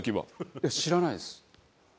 いや知らないです。